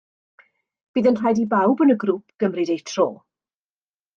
Bydd yn rhaid i bawb yn y grŵp gymryd eu tro.